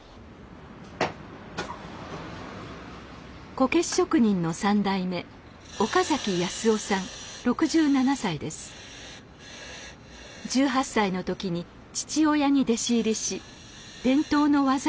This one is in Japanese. こけし職人の３代目１８歳の時に父親に弟子入りし伝統の技を受け継ぎました。